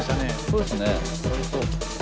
そうですね。